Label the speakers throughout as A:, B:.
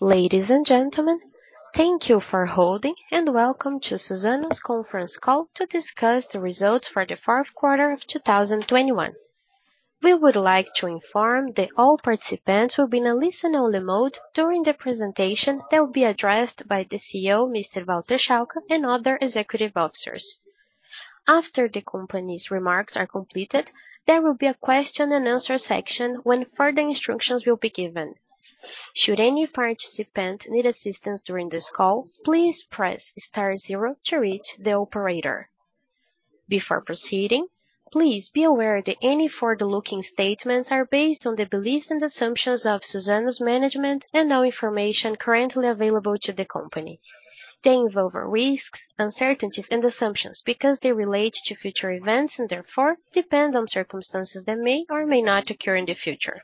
A: Ladies and gentlemen, thank you for holding and welcome to Suzano's conference call to discuss the results for the fourth quarter of 2021. We would like to inform that all participants will be in a listen-only mode during the presentation that will be addressed by the CEO, Mr. Walter Schalka, and other executive officers. After the company's remarks are completed, there will be a question and answer section when further instructions will be given. Should any participant need assistance during this call, please press star zero to reach the operator. Before proceeding, please be aware that any forward-looking statements are based on the beliefs and assumptions of Suzano's management and all information currently available to the company. They involve risks, uncertainties and assumptions because they relate to future events and therefore depend on circumstances that may or may not occur in the future.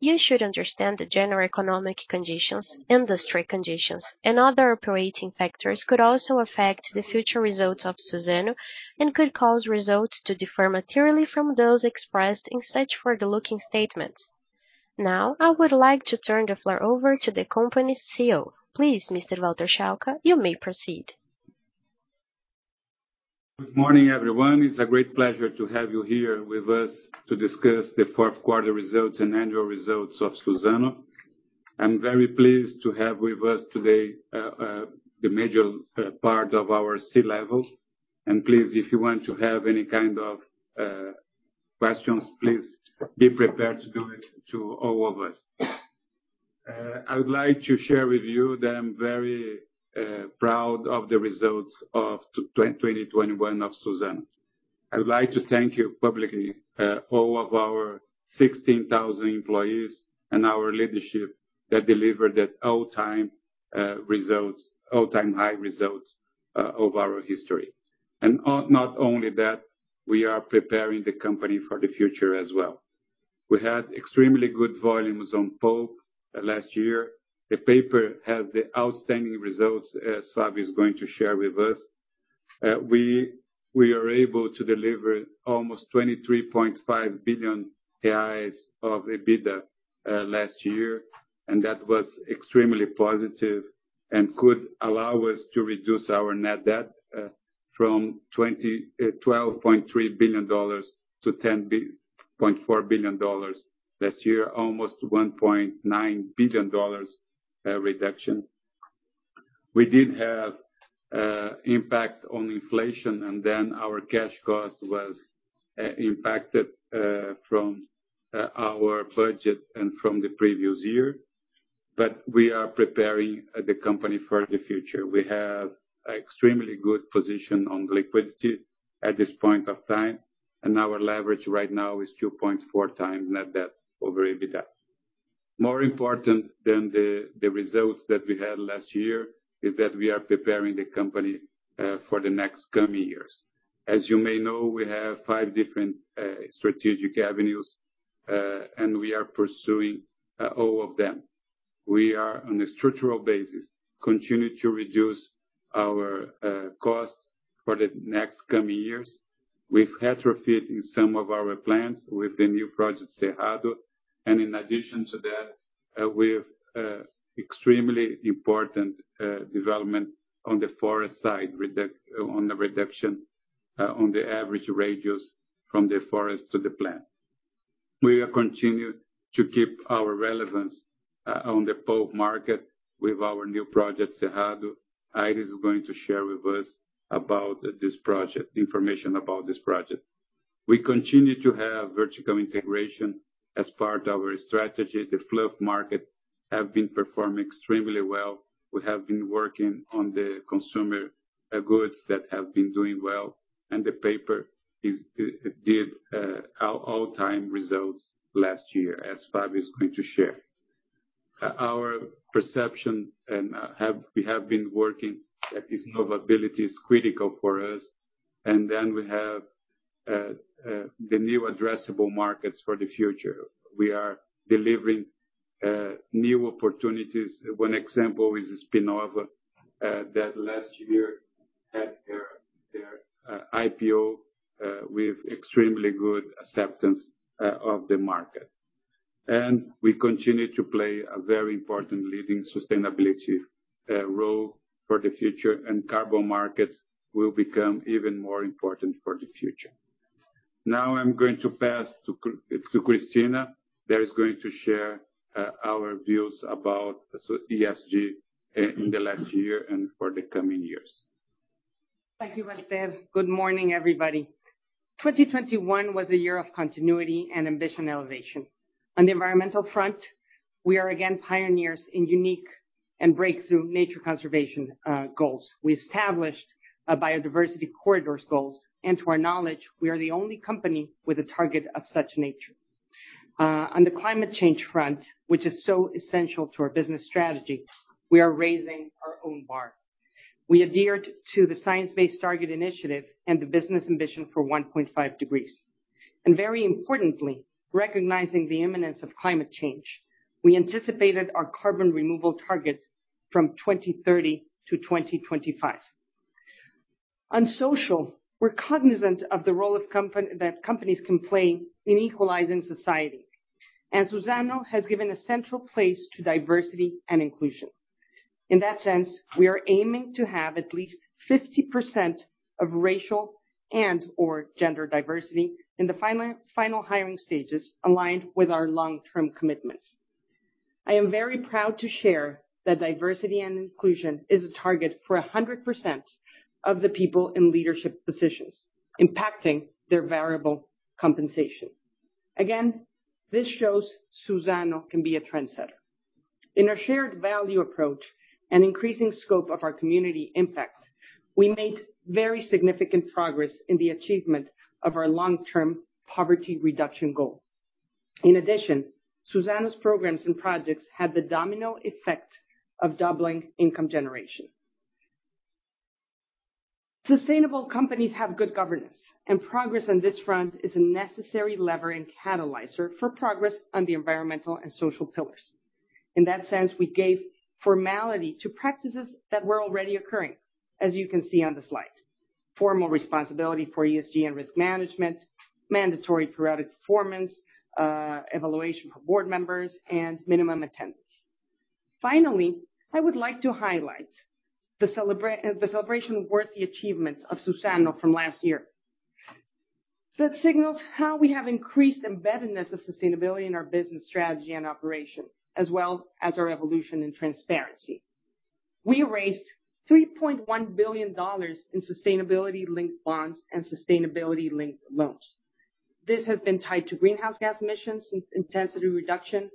A: You should understand the general economic conditions, industry conditions and other operating factors could also affect the future results of Suzano and could cause results to differ materially from those expressed in such forward-looking statements. Now, I would like to turn the floor over to the company's CEO. Please, Mr. Walter Schalka, you may proceed.
B: Good morning, everyone. It's a great pleasure to have you here with us to discuss the fourth quarter results and annual results of Suzano. I'm very pleased to have with us today the major part of our C-level. Please, if you want to have any kind of questions, please be prepared to do it to all of us. I would like to share with you that I'm very proud of the results of 2021 of Suzano. I would like to thank you publicly all of our 16,000 employees and our leadership that delivered that all-time high results of our history. Not only that, we are preparing the company for the future as well. We had extremely good volumes on pulp last year. The paper has the outstanding results, as Fabio is going to share with us. We are able to deliver almost 23.5 billion reais of EBITDA last year, and that was extremely positive and could allow us to reduce our net debt from $12.3 billion to $10.4 billion last year, almost $1.9 billion reduction. We did have impact from inflation, and then our cash cost was impacted from our budget and from the previous year. We are preparing the company for the future. We have extremely good position on liquidity at this point of time, and our leverage right now is 2.4 times net debt over EBITDA. More important than the results that we had last year is that we are preparing the company for the next coming years. As you may know, we have five different strategic avenues and we are pursuing all of them. We are, on a structural basis, continuing to reduce our costs for the next coming years. We've retrofit in some of our plants with the new project, Cerrado. In addition to that, we have extremely important development on the forest side, on the reduction on the average ratios from the forest to the plant. We continue to keep our relevance on the pulp market with our new project, Cerrado. Aires is going to share with us information about this project. We continue to have vertical integration as part of our strategy. The fluff market have been performing extremely well. We have been working on the consumer goods that have been doing well. The paper it did all-time results last year, as Fabio is going to share. Our perception and we have been working at this innovability is critical for us. We have the new addressable markets for the future. We are delivering new opportunities. One example is Spinnova that last year had their IPO with extremely good acceptance of the market. We continue to play a very important leading sustainability role for the future, and carbon markets will become even more important for the future. Now I'm going to pass to Cristina, that is going to share our views about ESG in the last year and for the coming years.
C: Thank you, Walter. Good morning, everybody. 2021 was a year of continuity and ambition elevation. On the environmental front, we are again pioneers in unique and breakthrough nature conservation goals. We established biodiversity corridors goals. To our knowledge, we are the only company with a target of such nature. On the climate change front, which is so essential to our business strategy, we are raising our own bar. We adhered to the Science Based Targets initiative and the Business Ambition for 1.5 degrees. Very importantly, recognizing the imminence of climate change, we anticipated our carbon removal target from 2030 to 2025. On social, we're cognizant of the role that companies can play in equalizing society. Suzano has given a central place to diversity and inclusion. In that sense, we are aiming to have at least 50% of racial and/or gender diversity in the final hiring stages aligned with our long-term commitments. I am very proud to share that diversity and inclusion is a target for 100% of the people in leadership positions, impacting their variable compensation. Again, this shows Suzano can be a trendsetter. In our shared value approach and increasing scope of our community impact, we made very significant progress in the achievement of our long-term poverty reduction goal. In addition, Suzano's programs and projects had the domino effect of doubling income generation. Sustainable companies have good governance, and progress on this front is a necessary lever and catalyzer for progress on the environmental and social pillars. In that sense, we gave formality to practices that were already occurring, as you can see on the slide. Formal responsibility for ESG and risk management, mandatory periodic performance evaluation for board members, and minimum attendance. Finally, I would like to highlight the celebration worthy achievements of Suzano from last year, that signals how we have increased embeddedness of sustainability in our business strategy and operation, as well as our evolution and transparency. We raised $3.1 billion in sustainability-linked bonds and sustainability-linked loans. This has been tied to greenhouse gas emissions intensity reduction,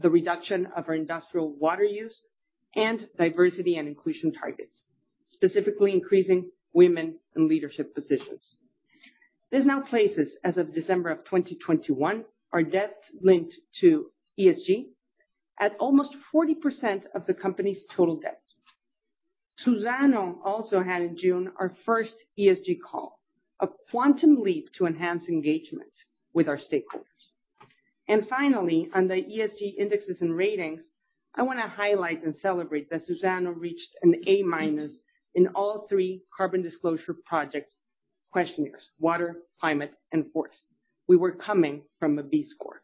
C: the reduction of our industrial water use, and diversity and inclusion targets, specifically increasing women in leadership positions. This now places, as of December 2021, our debt linked to ESG at almost 40% of the company's total debt. Suzano also had in June, our first ESG call, a quantum leap to enhance engagement with our stakeholders. Finally, on the ESG indexes and ratings, I wanna highlight and celebrate that Suzano reached an A-minus in all three Carbon Disclosure Project questionnaires: water, climate, and forest. We were coming from a B score.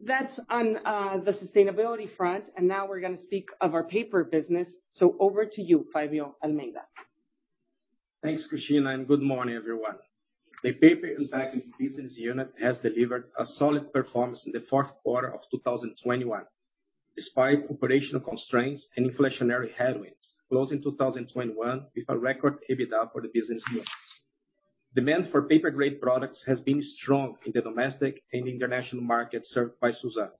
C: That's on the sustainability front, and now we're gonna speak of our paper business. Over to you, Fabio Almeida.
D: Thanks, Cristina, and good morning, everyone. The Paper and Packaging business unit has delivered a solid performance in the fourth quarter of 2021. Despite operational constraints and inflationary headwinds, we closed in 2021 with a record EBITDA for the business unit. Demand for paper-grade products has been strong in the domestic and international markets served by Suzano.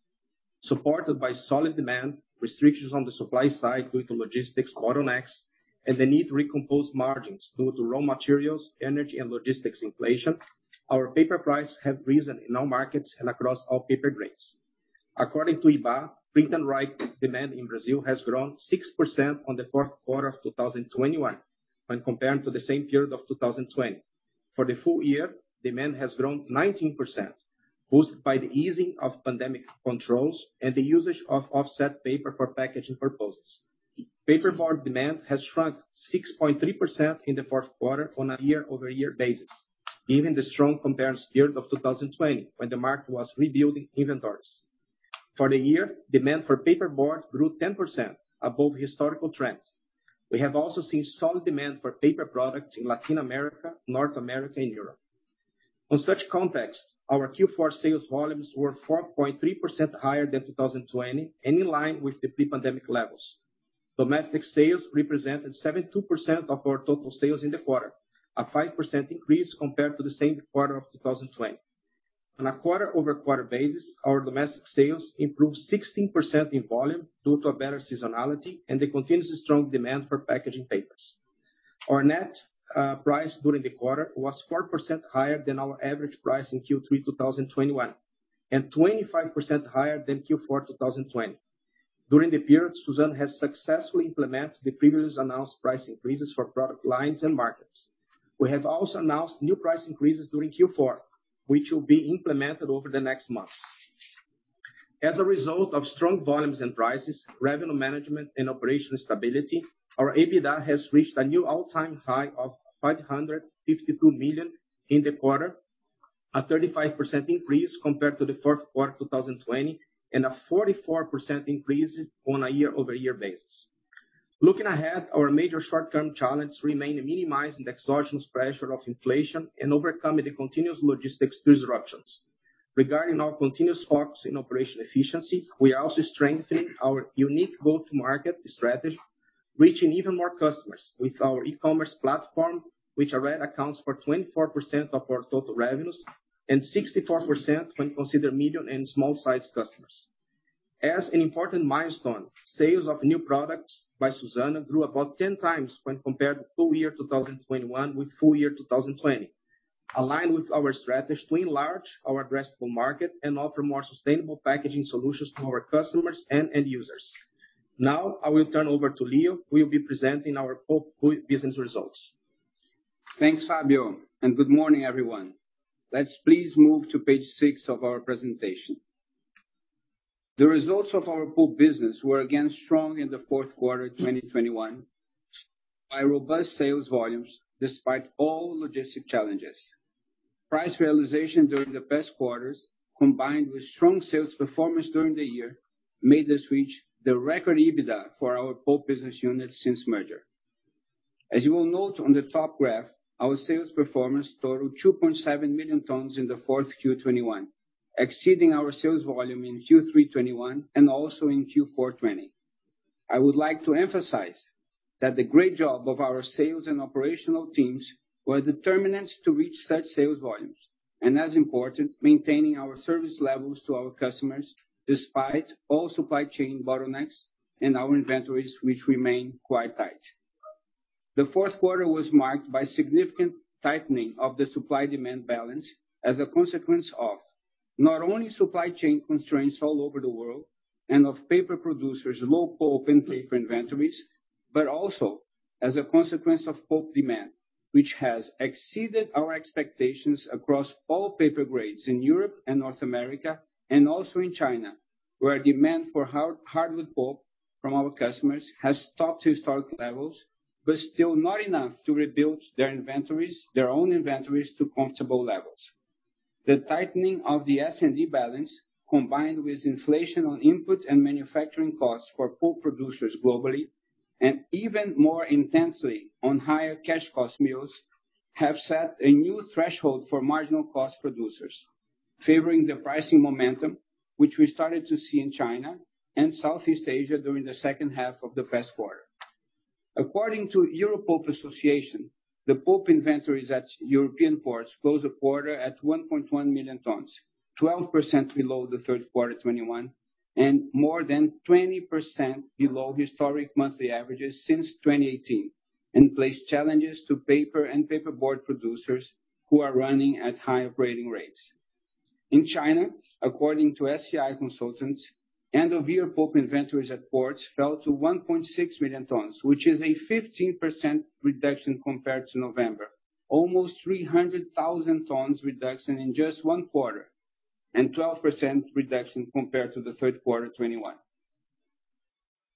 D: Supported by solid demand, restrictions on the supply side due to logistics bottlenecks, and the need to recompose margins due to raw materials, energy and logistics inflation, our paper prices have risen in all markets and across all paper grades. According to IBGE, printing and writing demand in Brazil has grown 6% in the fourth quarter of 2021 when compared to the same period of 2020. For the full year, demand has grown 19%, boosted by the easing of pandemic controls and the usage of offset paper for packaging purposes. Paper board demand has shrunk 6.3% in the fourth quarter on a year-over-year basis, given the strong comparison period of 2020 when the market was rebuilding inventories. For the year, demand for paper board grew 10% above historical trends. We have also seen solid demand for paper products in Latin America, North America, and Europe. On such context, our Q4 sales volumes were 4.3% higher than 2020 and in line with the pre-pandemic levels. Domestic sales represented 72% of our total sales in the quarter, a 5% increase compared to the same quarter of 2020. On a quarter-over-quarter basis, our domestic sales improved 16% in volume due to a better seasonality and the continuous strong demand for packaging papers. Our net price during the quarter was 4% higher than our average price in Q3 2021, and 25% higher than Q4 2020. During the period, Suzano has successfully implemented the previously announced price increases for product lines and markets. We have also announced new price increases during Q4, which will be implemented over the next months. As a result of strong volumes and prices, revenue management and operational stability, our EBITDA has reached a new all-time high of 552 million in the quarter, a 35% increase compared to the fourth quarter 2020, and a 44% increase on a year-over-year basis. Looking ahead, our major short-term challenge remain minimizing the exogenous pressure of inflation and overcoming the continuous logistics disruptions. Regarding our continuous focus in operational efficiency, we are also strengthening our unique go-to-market strategy, reaching even more customers with our e-commerce platform, which already accounts for 24% of our total revenues and 64% when consider medium and small-sized customers. As an important milestone, sales of new products by Suzano grew about 10 times when compared to full year 2021 with full year 2020, aligned with our strategy to enlarge our addressable market and offer more sustainable packaging solutions to our customers and end users. Now, I will turn over to Leo, who will be presenting our pulp business results.
E: Thanks, Fabio, and good morning, everyone. Let's please move to page six of our presentation. The results of our pulp business were again strong in the fourth quarter 2021, driven by robust sales volumes despite all logistic challenges. Price realization during the past quarters, combined with strong sales performance during the year, made us reach the record EBITDA for our pulp business unit since merger. As you will note on the top graph, our sales performance totaled 2.7 million tons in the fourth Q 2021, exceeding our sales volume in Q3 2021 and also in Q4 2020. I would like to emphasize that the great job of our sales and operational teams were determinants to reach such sales volumes. As important, maintaining our service levels to our customers despite all supply chain bottlenecks and our inventories, which remain quite tight. The fourth quarter was marked by significant tightening of the supply demand balance as a consequence of not only supply chain constraints all over the world and of paper producers' low pulp and paper inventories, but also as a consequence of pulp demand, which has exceeded our expectations across all paper grades in Europe and North America, and also in China, where demand for hardwood pulp from our customers has topped historic levels, but still not enough to rebuild their inventories to comfortable levels. The tightening of the S&D balance, combined with inflation on input and manufacturing costs for pulp producers globally, and even more intensely on higher cash cost mills, have set a new threshold for marginal cost producers, favoring the pricing momentum, which we started to see in China and Southeast Asia during the second half of the past quarter. According to Europulp, the pulp inventories at European ports closed the quarter at 1.1 million tons, 12% below the third quarter 2021, and more than 20% below historic monthly averages since 2018. Placed challenges to paper and paperboard producers who are running at high operating rates. In China, according to SCI, end-of-year pulp inventories at ports fell to 1.6 million tons, which is a 15% reduction compared to November. Almost 300,000 tons reduction in just one quarter, and 12% reduction compared to the third quarter 2021.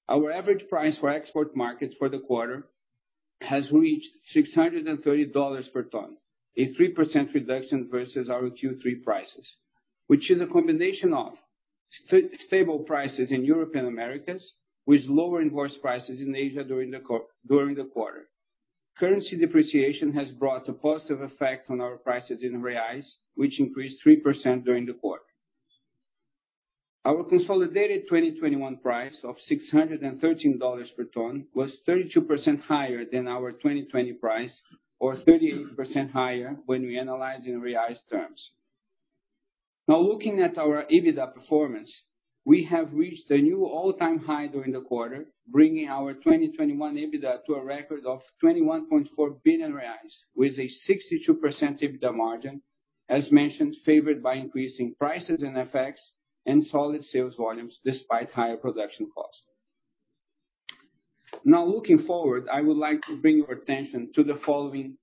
E: Our average price for export markets for the quarter has reached $630 per ton, a 3% reduction versus our Q3 prices. Which is a combination of stable prices in Europe and Americas, with lower and worse prices in Asia during the quarter. Currency depreciation has brought a positive effect on our prices in reais, which increased 3% during the quarter. Our consolidated 2021 price of $613 per ton was 32% higher than our 2020 price, or 38% higher when we analyze in reais terms. Now looking at our EBITDA performance, we have reached a new all-time high during the quarter, bringing our 2021 EBITDA to a record of 21.4 billion reais with a 62% EBITDA margin. As mentioned, favored by increasing prices and FX and solid sales volumes despite higher production costs. Now looking forward, I would like to bring your attention to the following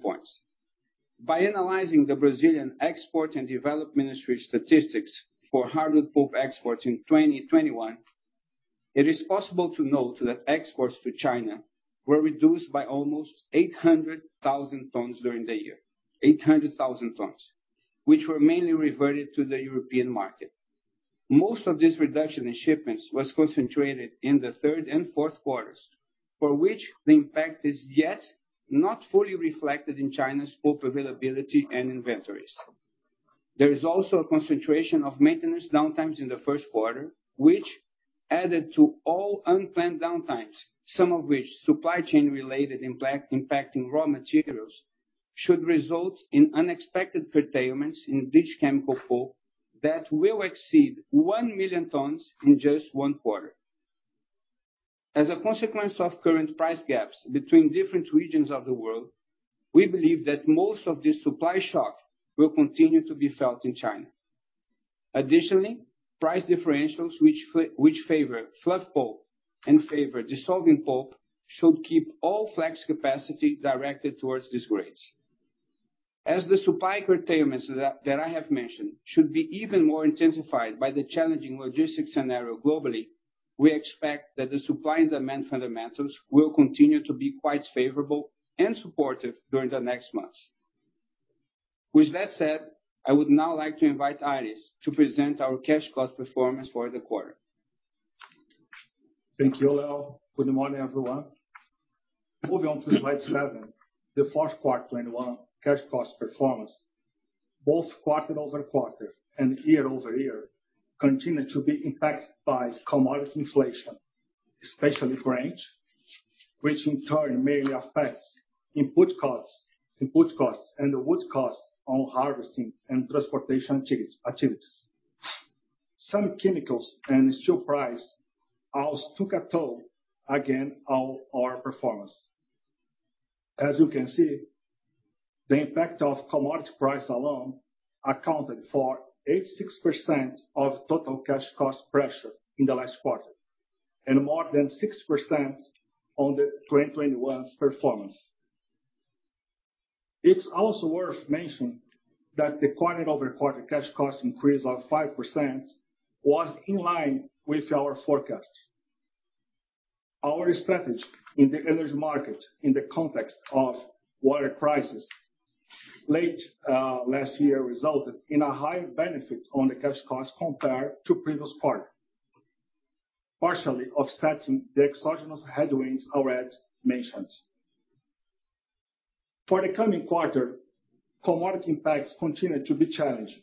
E: points. By analyzing the MDIC statistics for hardwood pulp exports in 2021, it is possible to note that exports to China were reduced by almost 800,000 tons during the year. 800,000 tons. Which were mainly reverted to the European market. Most of this reduction in shipments was concentrated in the third and fourth quarters, for which the impact is yet not fully reflected in China's pulp availability and inventories. There is also a concentration of maintenance downtimes in the first quarter, which added to all unplanned downtimes, some of which supply chain related impact, impacting raw materials, should result in unexpected curtailments in bleached chemical pulp that will exceed 1,000,000 tons in just one quarter. As a consequence of current price gaps between different regions of the world, we believe that most of this supply shock will continue to be felt in China. Additionally, price differentials which favor fluff pulp and favor dissolving pulp should keep all flex capacity directed towards these grades. As the supply curtailments that I have mentioned should be even more intensified by the challenging logistics scenario globally, we expect that the supply and demand fundamentals will continue to be quite favorable and supportive during the next months. With that said, I would now like to invite Aires to present our cash cost performance for the quarter.
F: Thank you, Leo. Good morning, everyone. Moving on to slide seven. The fourth quarter 2021 cash cost performance, both quarter-over-quarter and year-over-year, continued to be impacted by commodity inflation, especially grain, which in turn mainly affects input costs and the wood costs on harvesting and transportation activities. Some chemicals and steel price also took a toll against our performance. As you can see, the impact of commodity price alone accounted for 86% of total cash cost pressure in the last quarter and more than 6% on the 2021's performance. It's also worth mentioning that the quarter-over-quarter cash cost increase of 5% was in line with our forecast. Our strategy in the energy market in the context of water prices late last year resulted in a higher benefit on the cash cost compared to previous quarter. Partially offsetting the exogenous headwinds already mentioned. For the coming quarter, commodity impacts continue to be challenging.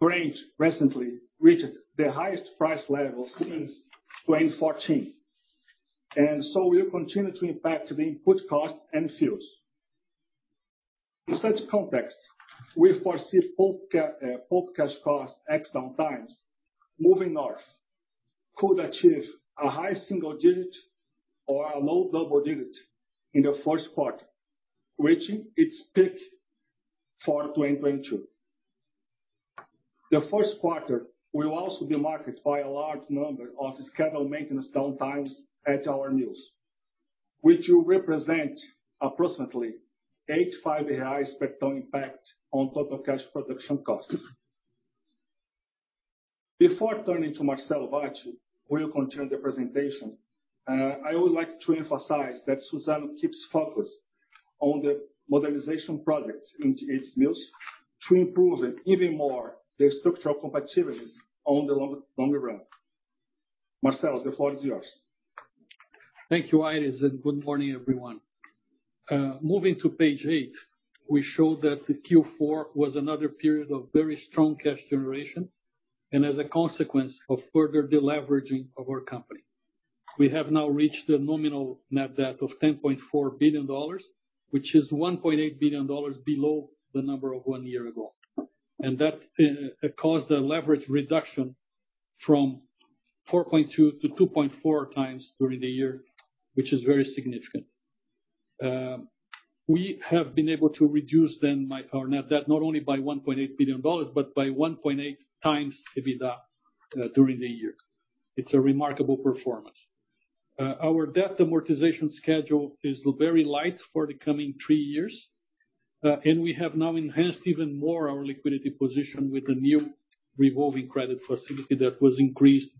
F: Grains recently reached their highest price levels since 2014, and so will continue to impact the input costs and fuels. In such context, we foresee pulp cash costs ex downtimes moving north could achieve a high single digit or a low double digit in the first quarter, reaching its peak for 2022. The first quarter will also be marked by a large number of scheduled maintenance downtimes at our mills, which will represent approximately 85 reais per ton impact on total cash production costs. Before turning to Marcelo Bacci, who will continue the presentation, I would like to emphasize that Suzano keeps focus on the modernization projects in each mills to improve even more the structural competitiveness on the longer run. Marcelo, the floor is yours.
G: Thank you, Aires, and good morning, everyone. Moving to page eight, we show that the Q4 was another period of very strong cash generation, and as a consequence of further deleveraging of our company. We have now reached a nominal net debt of $10.4 billion, which is $1.8 billion below the number of one year ago. That caused a leverage reduction from 4.2x to 2.4x during the year, which is very significant. We have been able to reduce our net debt, not only by $1.8 billion, but by 1.8x EBITDA during the year. It's a remarkable performance. Our debt amortization schedule is very light for the coming three years. We have now enhanced even more our liquidity position with the new revolving credit facility that was increased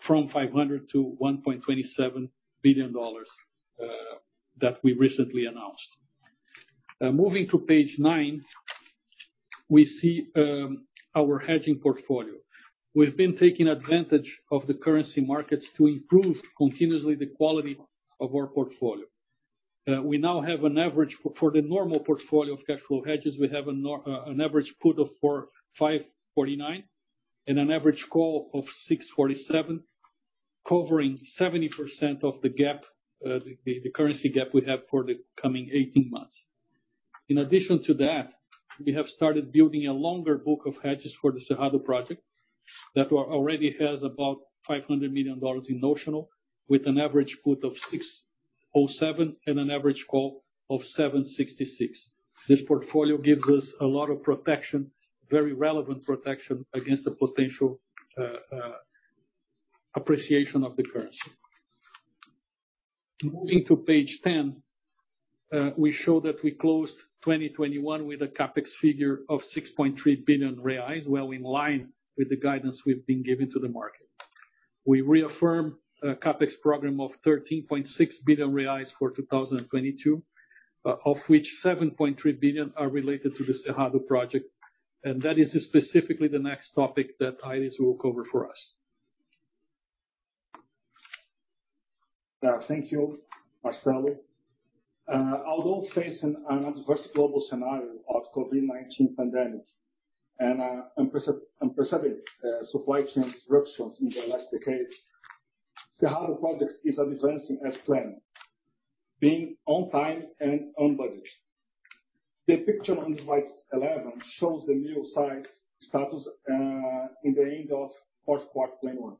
G: from $500 million to $1.27 billion that we recently announced. Moving to page nine, we see our hedging portfolio. We've been taking advantage of the currency markets to improve continuously the quality of our portfolio. We now have, for the normal portfolio of cash flow hedges, an average put of 5.49 and an average call of 6.47, covering 70% of the gap, the currency gap we have for the coming 18 months. In addition to that, we have started building a longer book of hedges for the Cerrado project that already has about $500 million in notional, with an average put of 6.07 and an average call of 7.66. This portfolio gives us a lot of protection, very relevant protection against the potential appreciation of the currency. Moving to page 10, we show that we closed 2021 with a CapEx figure of 6.3 billion reais, well in line with the guidance we've been giving to the market. We reaffirm a CapEx program of 13.6 billion reais for 2022, of which 7.3 billion are related to the Cerrado project. That is specifically the next topic that Aires will cover for us.
F: Thank you, Marcelo. Although facing an adverse global scenario of COVID-19 pandemic and perceived supply chain disruptions in the last decades, Cerrado Project is advancing as planned, being on time and on budget. The picture on slide 11 shows the mill site status in the end of fourth quarter 2021.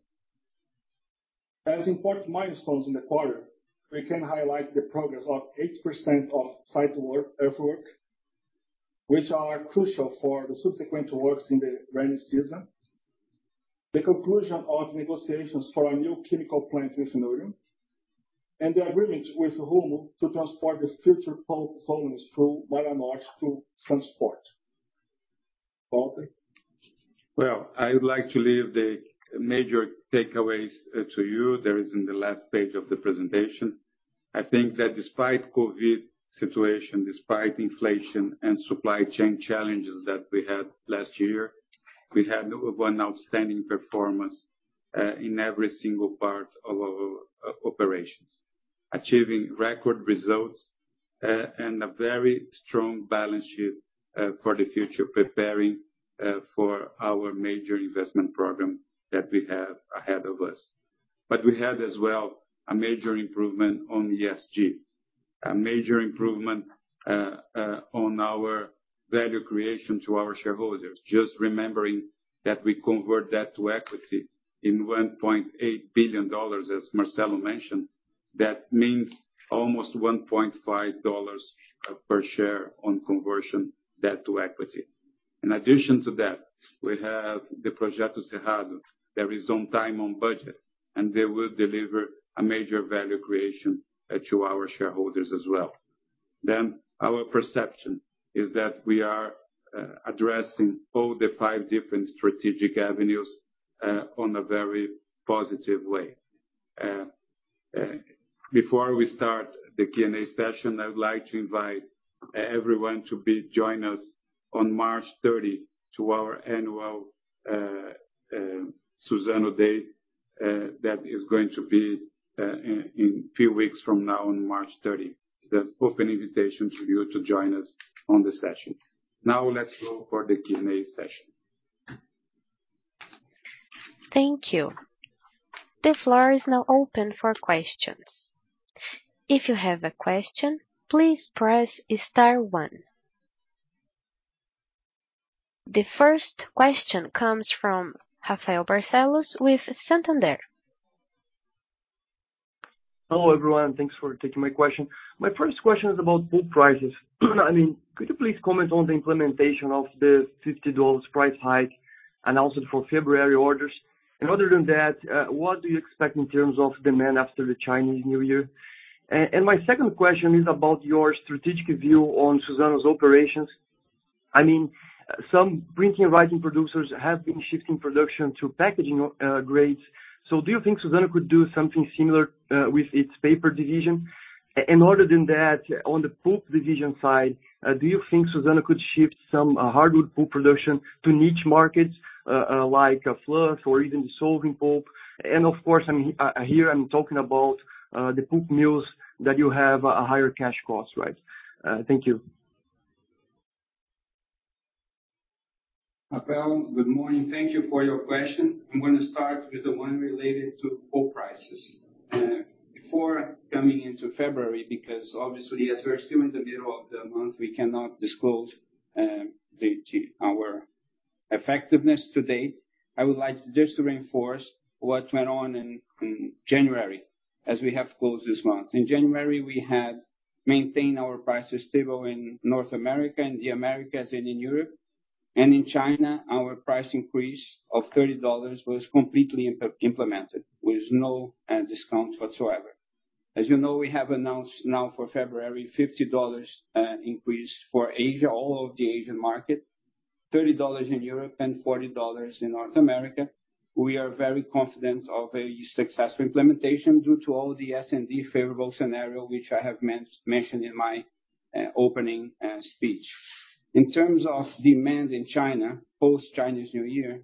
F: As important milestones in the quarter, we can highlight the progress of 80% of site work earthwork, which are crucial for the subsequent works in the rainy season, the conclusion of negotiations for a new chemical plant with Sinogen, and the agreement with Rumo to transport the future pulp volumes through Malha Norte to transport. Walter.
B: Well, I would like to leave the major takeaways to you. There is in the last page of the presentation. I think that despite COVID situation, despite inflation and supply chain challenges that we had last year, we had number one outstanding performance in every single part of our operations. Achieving record results and a very strong balance sheet for the future, preparing for our major investment program that we have ahead of us. We had as well a major improvement on ESG, a major improvement on our value creation to our shareholders. Just remembering that we convert debt to equity in $1.8 billion, as Marcelo mentioned. That means almost $1.5 per share on conversion debt to equity. In addition to that, we have the Cerrado Project that is on time, on budget, and they will deliver a major value creation to our shareholders as well. Our perception is that we are addressing all the five different strategic avenues in a very positive way. Before we start the Q&A session, I would like to invite everyone to join us on March 30 to our annual Suzano Day that is going to be in a few weeks from now on March 30. It's an open invitation for you to join us on the session. Now let's go for the Q&A session.
A: Thank you. The floor is now open for questions. If you have a question, please press star one. The first question comes from Rafael Barcellos with Santander.
H: Hello, everyone. Thanks for taking my question. My first question is about pulp prices. I mean, could you please comment on the implementation of the $50 price hike announced for February orders? And other than that, what do you expect in terms of demand after the Chinese New Year? And my second question is about your strategic view on Suzano's operations. I mean, some printing and writing producers have been shifting production to packaging grades. So do you think Suzano could do something similar with its paper division? And other than that, on the pulp division side, do you think Suzano could shift some hardwood pulp production to niche markets like fluff or even dissolving pulp? And of course, here I'm talking about the pulp mills that you have a higher cash cost, right? Thank you.
E: Rafael, good morning. Thank you for your question. I'm gonna start with the one related to pulp prices. Before coming into February, because obviously, as we're still in the middle of the month, we cannot disclose the our effectiveness to date. I would like just to reinforce what went on in January as we have closed this month. In January, we had maintained our prices stable in North America, in the Americas and in Europe. In China, our price increase of $30 was completely implemented with no discount whatsoever. As you know, we have announced now for February $50 increase for Asia, all of the Asian market, $30 in Europe and $40 in North America. We are very confident of a successful implementation due to all the S&D favorable scenario, which I have mentioned in my opening speech. In terms of demand in China, post-Chinese New Year,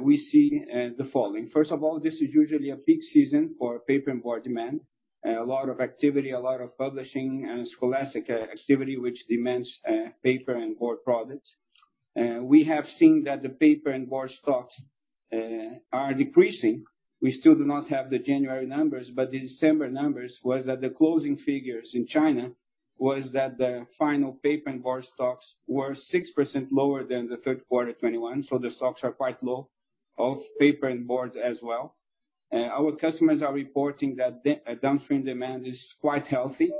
E: we see the following. First of all, this is usually a peak season for paper and board demand. A lot of activity, a lot of publishing and scholastic activity, which demands paper and board products. We have seen that the paper and board stocks are decreasing. We still do not have the January numbers. The December numbers was that the closing figures in China was that the final paper and board stocks were 6% lower than the third quarter 2021. The stocks are quite low of paper and boards as well. Our customers are reporting that the downstream demand is quite healthy.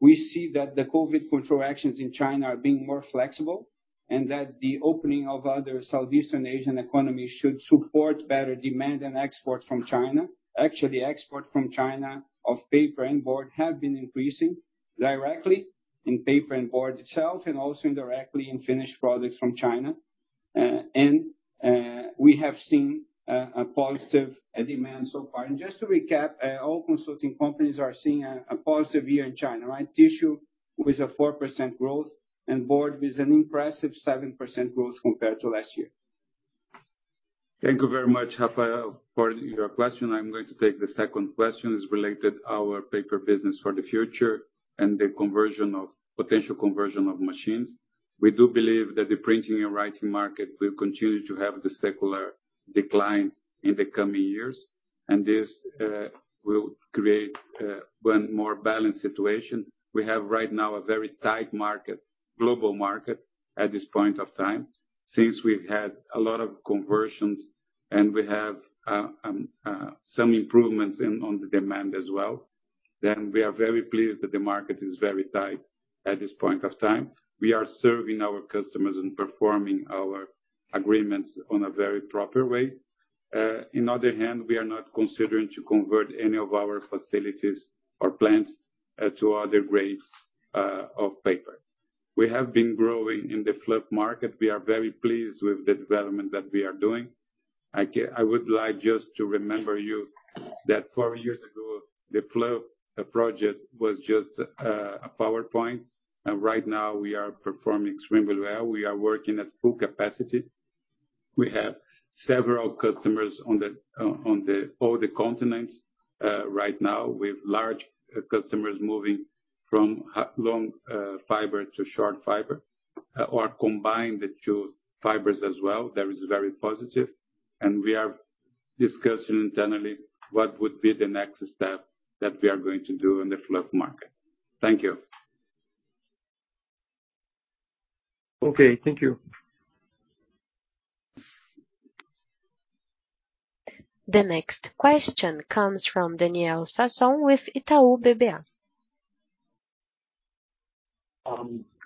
E: We see that the COVID control actions in China are being more flexible, and that the opening of other Southeastern Asian economies should support better demand and export from China. Actually, exports from China of paper and board have been increasing directly in paper and board itself, and also indirectly in finished products from China. We have seen a positive demand so far. Just to recap, all consulting companies are seeing a positive year in China, right? Tissue with a 4% growth and board with an impressive 7% growth compared to last year.
B: Thank you very much, Rafael, for your question. I'm going to take the second question. It's related to our paper business for the future and the potential conversion of machines. We do believe that the printing and writing market will continue to have the secular decline in the coming years, and this will create one more balanced situation. We have right now a very tight market, global market, at this point of time. Since we've had a lot of conversions and we have some improvements in on the demand as well, then we are very pleased that the market is very tight at this point of time. We are serving our customers and performing our agreements on a very proper way. On the other hand, we are not considering to convert any of our facilities or plants to other grades of paper. We have been growing in the fluff market. We are very pleased with the development that we are doing. I would like just to remind you that four years ago, the fluff project was just a PowerPoint. Right now we are performing extremely well. We are working at full capacity. We have several customers on all the continents right now, with large customers moving from long fiber to short fiber or combine the two fibers as well. That is very positive. We are discussing internally what would be the next step that we are going to do in the fluff market. Thank you.
H: Okay. Thank you.
A: The next question comes from Daniel Sasson with Itaú BBA.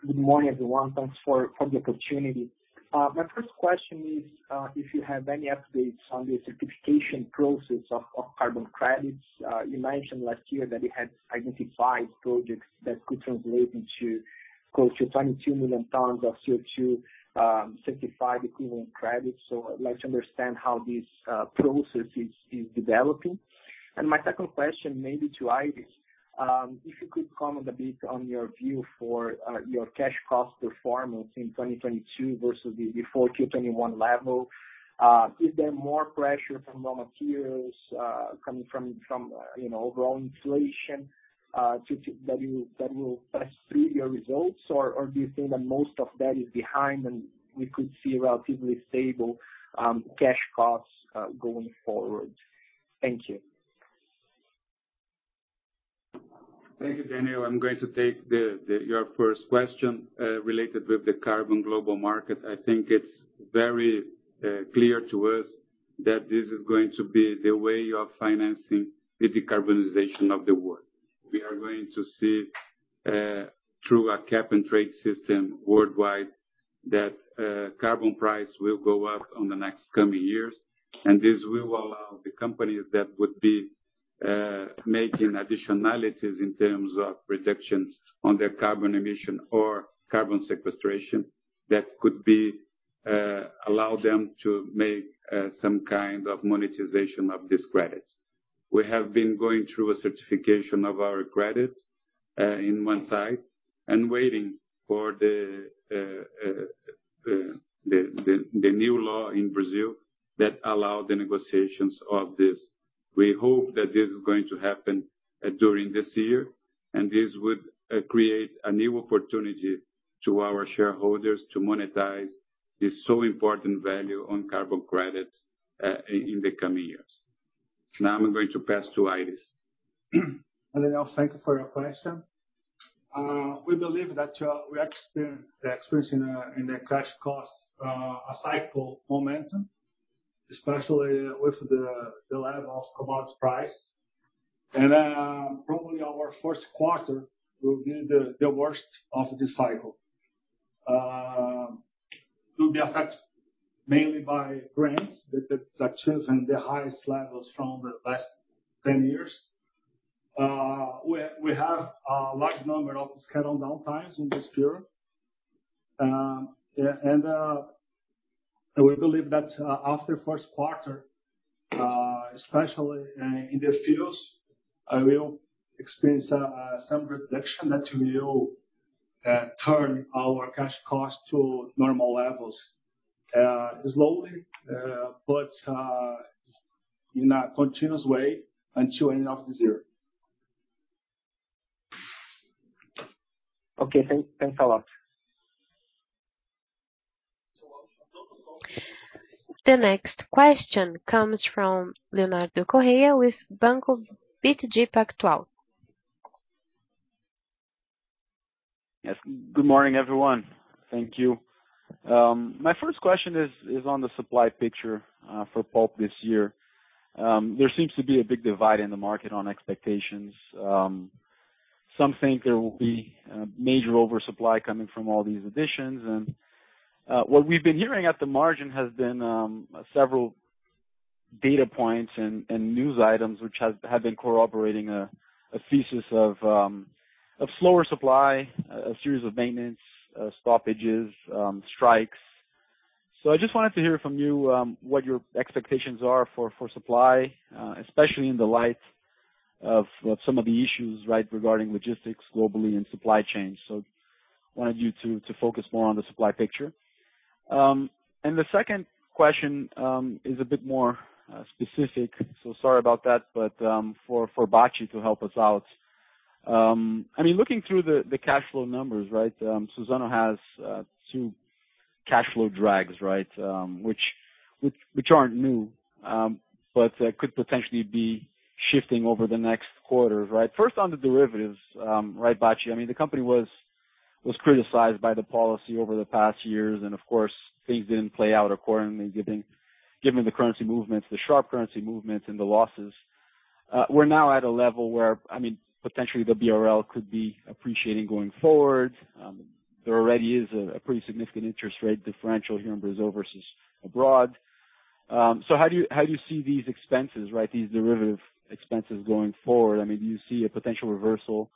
I: Good morning, everyone. Thanks for the opportunity. My first question is if you have any updates on the certification process of carbon credits. You mentioned last year that you had identified projects that could translate into close to 22 million tons of CO2 certified equivalent credits. I'd like to understand how this process is developing. My second question, maybe to Aires, if you could comment a bit on your view for your cash cost performance in 2022 versus the 2021 level. Is there more pressure from raw materials coming from you know, overall inflation that will press through your results? Or do you think that most of that is behind and we could see relatively stable cash costs going forward? Thank you.
B: Thank you, Daniel. I'm going to take your first question related with the global carbon market. I think it's very clear to us that this is going to be the way of financing the decarbonization of the world. We are going to see through a cap and trade system worldwide that carbon price will go up on the next coming years. This will allow the companies that would be making additionalities in terms of reductions on their carbon emission or carbon sequestration that could allow them to make some kind of monetization of these credits. We have been going through a certification of our credits in one side and waiting for the new law in Brazil that allow the negotiations of this. We hope that this is going to happen during this year, and this would create a new opportunity to our shareholders to monetize this so important value on carbon credits in the coming years. Now I'm going to pass to Aires.
F: Daniel, thank you for your question. We believe that we are experiencing a cycle momentum in the cash costs, especially with the level of commodity prices. Probably our first quarter will be the worst of this cycle. It will be affected mainly by grains, the production at the highest levels in the last 10 years. We have a large number of scheduled downtimes in this period. We believe that after the first quarter, especially in the fields, we'll experience some reduction that will turn our cash costs to normal levels, slowly but in a continuous way until the end of the year.
I: Okay. Thanks a lot.
A: The next question comes from Leonardo Correa with Banco BTG Pactual.
J: Yes. Good morning, everyone. Thank you. My first question is on the supply picture for pulp this year. There seems to be a big divide in the market on expectations. Some think there will be major oversupply coming from all these additions. What we've been hearing at the margin has been several data points and news items which have been corroborating a thesis of slower supply, a series of maintenance stoppages, strikes. I just wanted to hear from you what your expectations are for supply, especially in the light of some of the issues, right, regarding logistics globally and supply chains. Wanted you to focus more on the supply picture. The second question is a bit more specific, so sorry about that, but for Bacci to help us out. I mean, looking through the cash flow numbers, right, Suzano has two cash flow drags, right? Which aren't new, but could potentially be shifting over the next quarters, right? First, on the derivatives, right, Bacci, I mean, the company was criticized for the policy over the past years, and of course, things didn't play out accordingly given the currency movements, the sharp currency movements and the losses. We're now at a level where, I mean, potentially the BRL could be appreciating going forward. There already is a pretty significant interest rate differential here in Brazil versus abroad. How do you see these expenses, right, these derivative expenses going forward? I mean, do you see a potential reversal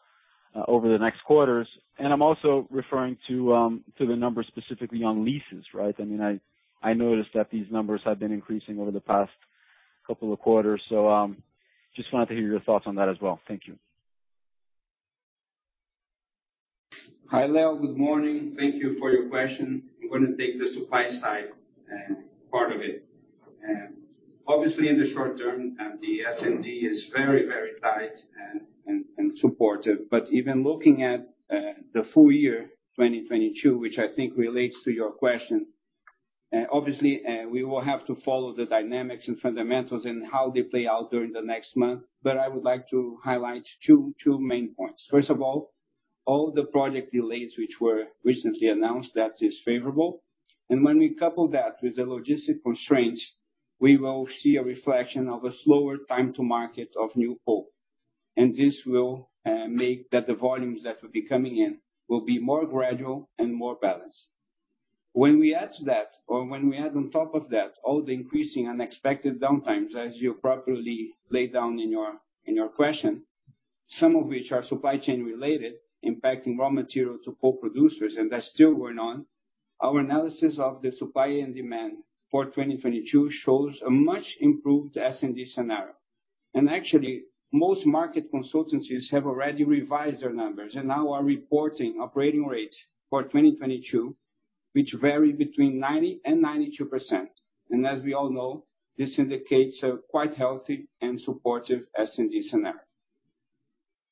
J: over the next quarters? I'm also referring to the numbers specifically on leases, right? I mean, I noticed that these numbers have been increasing over the past couple of quarters. Just wanted to hear your thoughts on that as well. Thank you.
E: Hi, Leo. Good morning. Thank you for your question. I'm gonna take the supply side, part of it. Obviously in the short term, the S&D is very tight and supportive. Even looking at the full year 2022, which I think relates to your question, obviously, we will have to follow the dynamics and fundamentals and how they play out during the next month. I would like to highlight two main points. First of all. All the project delays which were recently announced, that is favorable. When we couple that with the logistic constraints, we will see a reflection of a slower time to market of new pulp. This will make that the volumes that will be coming in will be more gradual and more balanced. When we add to that or when we add on top of that all the increasing unexpected downtimes, as you appropriately laid down in your question, some of which are supply chain related, impacting raw materials to pulp producers, and that's still going on. Our analysis of the supply and demand for 2022 shows a much improved S&D scenario. Actually, most market consultancies have already revised their numbers and now are reporting operating rates for 2022, which vary between 90% and 92%. As we all know, this indicates a quite healthy and supportive S&D scenario.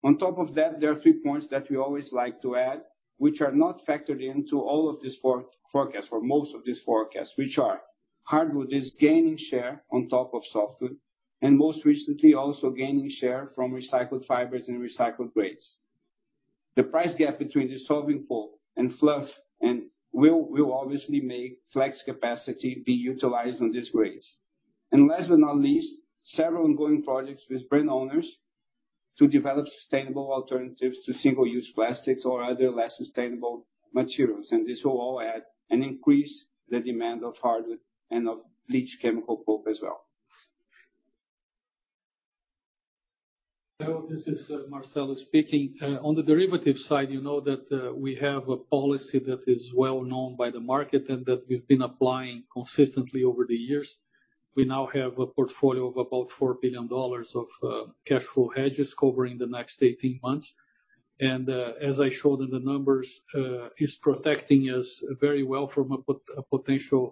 E: On top of that, there are three points that we always like to add, which are not factored into all of these forecasts or most of these forecasts, which are hardwood is gaining share on top of softwood, and most recently also gaining share from recycled fibers and recycled grades. The price gap between dissolving pulp and fluff and hardwood will obviously make flex capacity be utilized on these grades. Last but not least, several ongoing projects with brand owners to develop sustainable alternatives to single-use plastics or other less sustainable materials. This will all add and increase the demand of hardwood and of bleached chemical pulp as well.
G: Hello, this is Marcelo speaking. On the derivative side, you know that we have a policy that is well known by the market and that we've been applying consistently over the years. We now have a portfolio of about $4 billion of cash flow hedges covering the next 18 months. As I showed in the numbers, is protecting us very well from a potential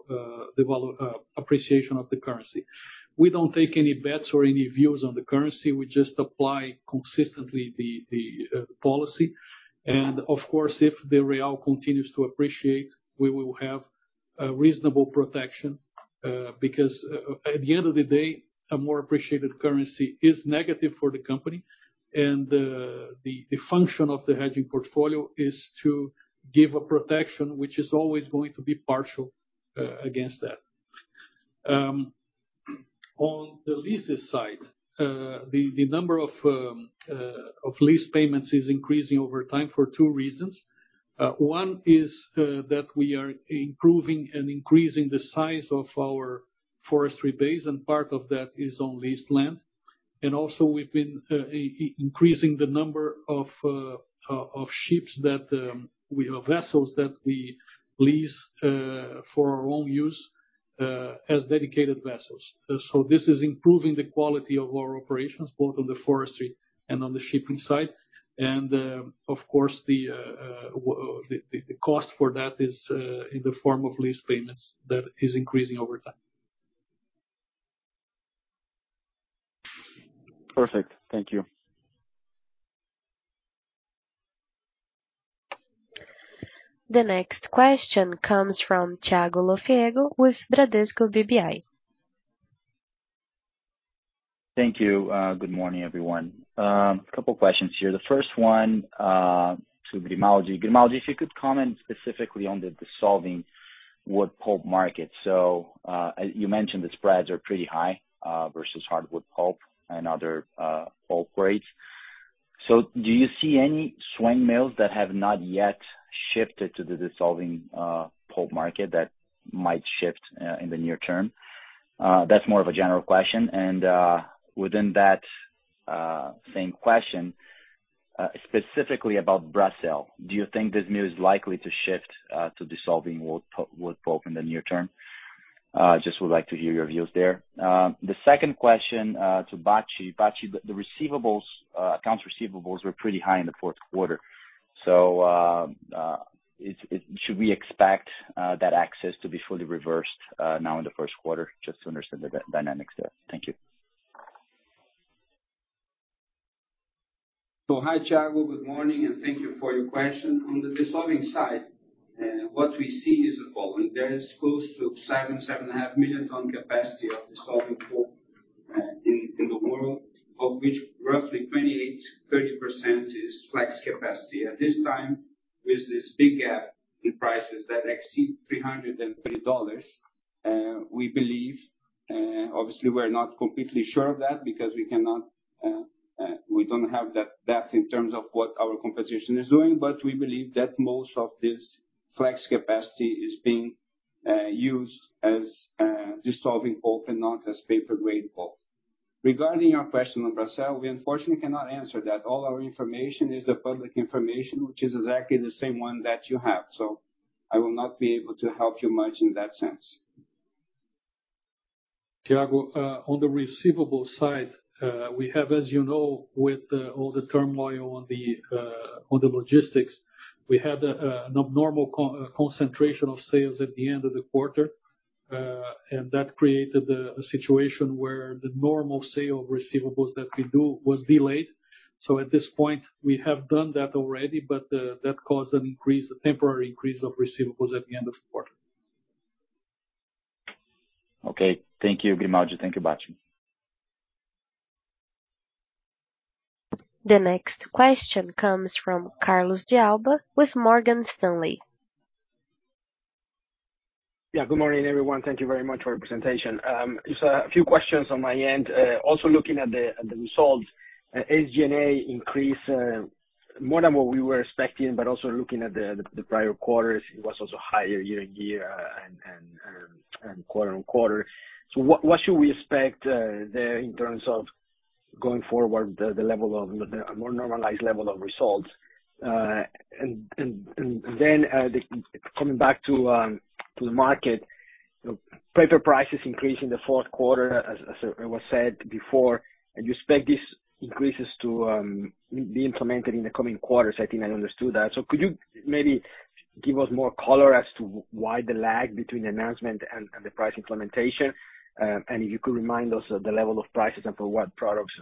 G: appreciation of the currency. We don't take any bets or any views on the currency. We just apply consistently the policy. Of course, if the real continues to appreciate, we will have a reasonable protection because at the end of the day, a more appreciated currency is negative for the company. The function of the hedging portfolio is to give a protection which is always going to be partial against that. On the leases side, the number of lease payments is increasing over time for two reasons. One is that we are improving and increasing the size of our forestry base, and part of that is on leased land. Also we've been increasing the number of vessels that we lease for our own use as dedicated vessels. This is improving the quality of our operations both on the forestry and on the shipping side. Of course, the cost for that is in the form of lease payments that is increasing over time.
J: Perfect. Thank you.
A: The next question comes from Thiago Lofiego with Bradesco BBI.
K: Thank you. Good morning, everyone. A couple of questions here. The first one to Grimaldi. Grimaldi, if you could comment specifically on the dissolving wood pulp market. As you mentioned, the spreads are pretty high versus hardwood pulp and other pulp grades. Do you see any swing mills that have not yet shifted to the dissolving pulp market that might shift in the near term? That's more of a general question. Within that, same question specifically about Brazil, do you think this mill is likely to shift to dissolving wood pulp in the near term? Just would like to hear your views there. The second question to Bacci. Bacci, the accounts receivables were pretty high in the fourth quarter. Should we expect that access to be fully reversed now in the first quarter? Just to understand the dynamics there. Thank you.
E: Hi, Thiago. Good morning, and thank you for your question. On the dissolving side, what we see is the following. There is close to 7.5 million ton capacity of dissolving pulp in the world, of which roughly 28-30% is flex capacity. At this time, with this big gap in prices that exceed $330, we believe, obviously we're not completely sure of that because we cannot, we don't have that depth in terms of what our competition is doing. But we believe that most of this flex capacity is being used as dissolving pulp and not as paper grade pulp. Regarding your question on Brazil, we unfortunately cannot answer that. All our information is the public information, which is exactly the same one that you have. I will not be able to help you much in that sense.
G: Thiago, on the receivable side, we have, as you know, with all the turmoil on the logistics, we had an abnormal concentration of sales at the end of the quarter. That created a situation where the normal sale of receivables that we do was delayed. At this point, we have done that already, but that caused a temporary increase of receivables at the end of the quarter.
K: Okay. Thank you, Grimaldi. Thank you, Bacci.
A: The next question comes from Carlos de Alba with Morgan Stanley.
L: Yeah. Good morning, everyone. Thank you very much for your presentation. Just a few questions on my end. Also looking at the results, SG&A increased more than what we were expecting, but also looking at the prior quarters, it was also higher year-on-year and quarter-on-quarter. What should we expect there in terms of going forward the level of a more normalized level of results? Then, coming back to the market, paper prices increased in the fourth quarter as it was said before. You expect these increases to be implemented in the coming quarters, I think I understood that. Could you maybe give us more color as to why the lag between the announcement and the price implementation? If you could remind us of the level of prices and for what products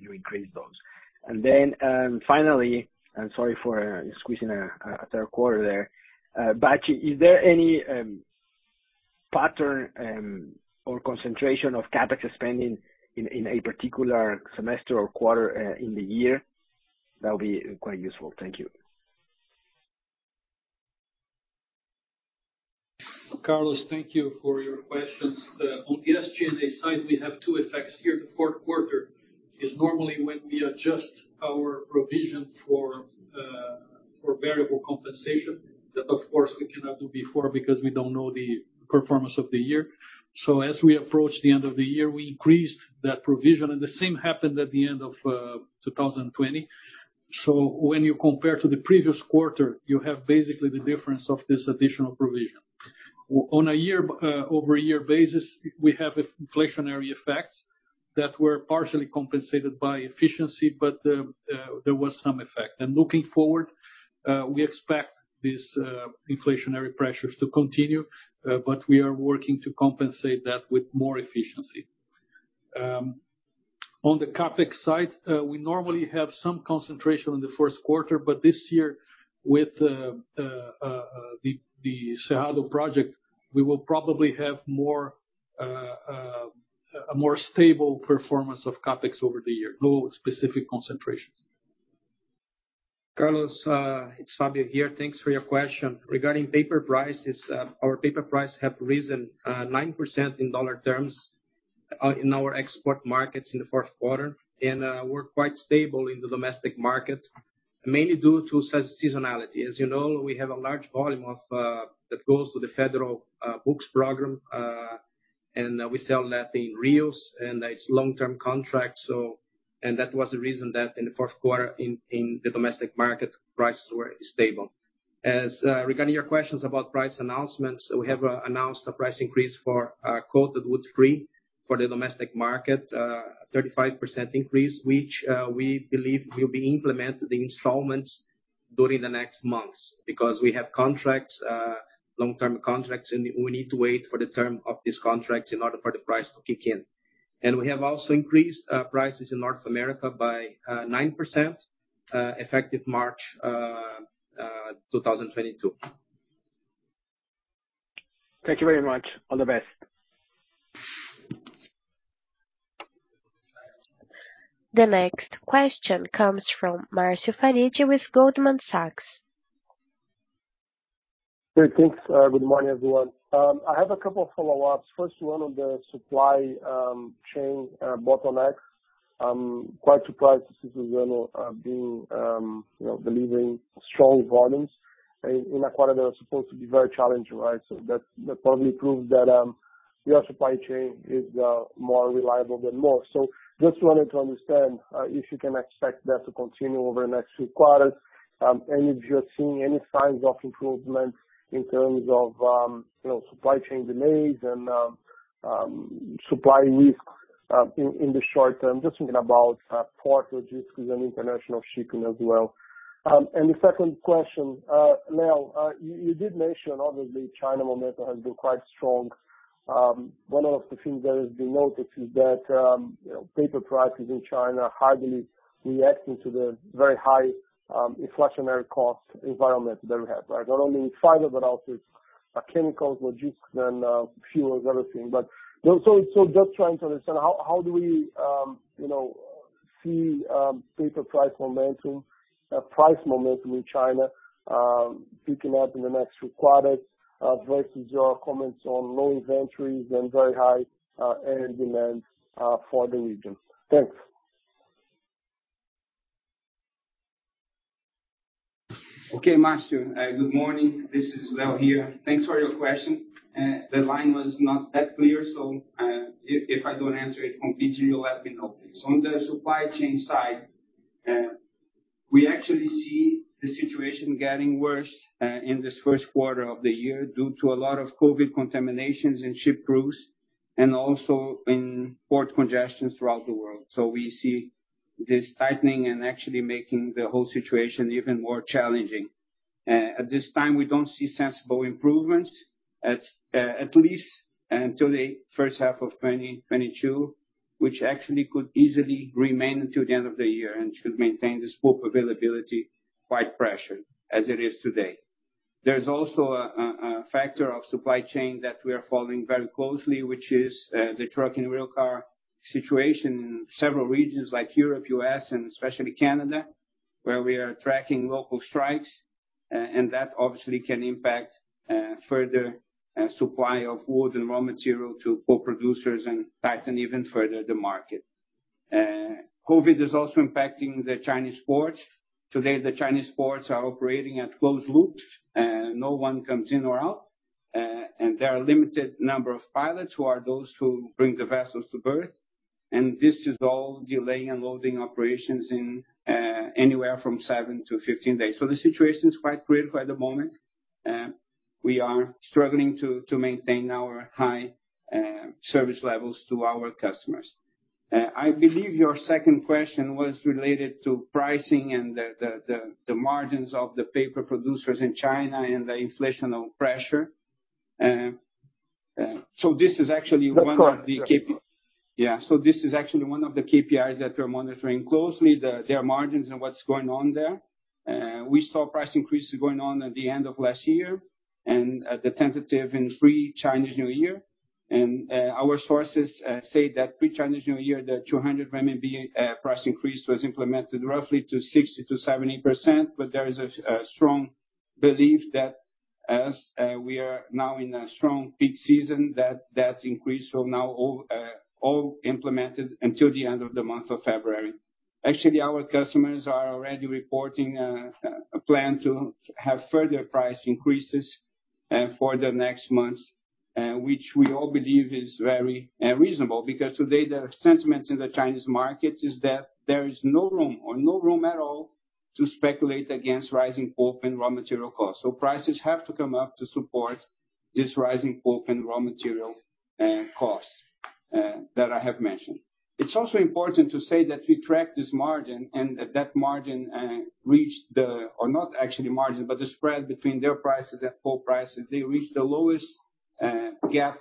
L: you increased those. Finally, and sorry for squeezing a third quarter there. Bacci, is there any pattern or concentration of CapEx spending in a particular semester or quarter in the year? That would be quite useful. Thank you.
G: Carlos, thank you for your questions. On the SG&A side, we have two effects here. The fourth quarter is normally when we adjust our provision for variable compensation that, of course, we cannot do before because we don't know the performance of the year. As we approach the end of the year, we increased that provision, and the same happened at the end of 2020. When you compare to the previous quarter, you have basically the difference of this additional provision. On a year-over-year basis, we have inflationary effects that were partially compensated by efficiency, but there was some effect. Looking forward, we expect these inflationary pressures to continue, but we are working to compensate that with more efficiency. On the CapEx side, we normally have some concentration in the first quarter, but this year with the Cerrado Project, we will probably have a more stable performance of CapEx over the year. No specific concentrations.
D: Carlos, it's Fabio here. Thanks for your question. Regarding paper prices, our paper price have risen 9% in dollar terms in our export markets in the fourth quarter. We're quite stable in the domestic market, mainly due to seasonality. As you know, we have a large volume of that goes to the federal books program, and we sell that in reals, and it's long-term contract. That was the reason that in the fourth quarter, in the domestic market, prices were stable. Regarding your questions about price announcements, we have announced a price increase for our coated woodfree for the domestic market, 35% increase, which we believe will be implemented in installments during the next months. Because we have contracts, long-term contracts, and we need to wait for the term of these contracts in order for the price to kick in. We have also increased prices in North America by 9% effective March 2022.
L: Thank you very much. All the best.
A: The next question comes from Marcio Farid with Goldman Sachs.
M: Great. Thanks. Good morning, everyone. I have a couple of follow-ups. First one on the supply chain bottlenecks. I'm quite surprised to see Suzano being you know, delivering strong volumes in a quarter that was supposed to be very challenging, right? That probably proves that your supply chain is more reliable than most. Just wanted to understand if you can expect that to continue over the next few quarters and if you're seeing any signs of improvement in terms of you know, supply chain delays and supply risks in the short term. Just thinking about port logistics and international shipping as well. And the second question, Leo, you did mention obviously China momentum has been quite strong. One of the things that has been noticed is that, you know, paper prices in China hardly reacting to the very high inflationary cost environment that we have, right? Not only fiber, but also chemicals, logistics, and fuels, everything. You know, just trying to understand how do we, you know, see paper price momentum in China picking up in the next few quarters versus your comments on low inventories and very high end demand for the region? Thanks.
E: Okay, Marcio. Good morning. This is Leo here. Thanks for your question. The line was not that clear, so if I don't answer it completely, you let me know, please. On the supply chain side, we actually see the situation getting worse in this first quarter of the year due to a lot of COVID contaminations in ship crews and also in port congestions throughout the world. We see this tightening and actually making the whole situation even more challenging. At this time, we don't see sensible improvements at least until the first half of 2022, which actually could easily remain until the end of the year and could maintain this pulp availability quite pressured as it is today. There's also a factor of supply chain that we are following very closely, which is the truck and rail car situation in several regions like Europe, U.S., and especially Canada, where we are tracking local strikes. That obviously can impact further supply of wood and raw material to pulp producers and tighten even further the market. COVID is also impacting the Chinese ports. Today, the Chinese ports are operating at closed loops. No one comes in or out. There are limited number of pilots who are those who bring the vessels to berth. This is all delaying unloading operations in anywhere from 7-15 days. The situation's quite critical at the moment. We are struggling to maintain our high service levels to our customers. I believe your second question was related to pricing and the margins of the paper producers in China and the inflationary pressure. This is actually one of the KPIs.
M: Of course.
E: Yeah. This is actually one of the KPIs that we're monitoring closely, their margins and what's going on there. We saw price increases going on at the end of last year and at the tentative in pre-Chinese New Year. Our sources say that pre-Chinese New Year, the 200 RMB price increase was implemented roughly to 60%-70%, but there is a strong belief that as we are now in a strong peak season, that increase will now be all implemented until the end of the month of February. Actually, our customers are already reporting a plan to have further price increases for the next months, which we all believe is very reasonable. Because today the sentiment in the Chinese markets is that there is no room or no room at all to speculate against rising pulp and raw material costs. Prices have to come up to support this rising pulp and raw material costs that I have mentioned. It's also important to say that we track this margin. Or not actually margin, but the spread between their prices and pulp prices. They reached the lowest gap